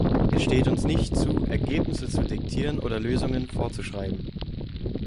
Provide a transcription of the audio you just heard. Es steht uns nicht zu, Ergebnisse zu diktieren oder Lösungen vorzuschreiben.